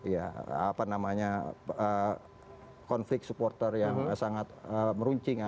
ya apa namanya konflik supporter yang sangat meruncing